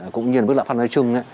cũng như bức lạm pháp nói chung